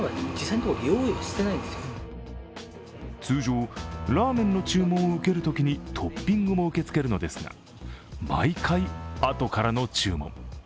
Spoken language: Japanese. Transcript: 通常、ラーメンの注文を受けるときにトッピングも受け付けるのですが、毎回、あとからの注文。